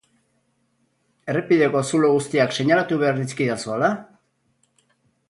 Errepideko zulo guztiak seinalatu behar dizkidazu ala?